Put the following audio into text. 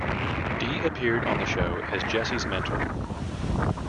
Dee appeared on the show as Jesse's mentor.